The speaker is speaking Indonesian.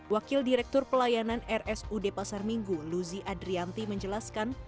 wakil direktur pelayanan rsud pasar minggu luzi adrianti menjelaskan